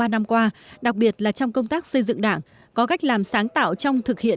ba năm qua đặc biệt là trong công tác xây dựng đảng có cách làm sáng tạo trong thực hiện